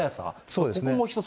そうですね。